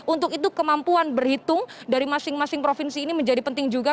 untuk itu kemampuan berhitung dari masing masing provinsi ini menjadi penting juga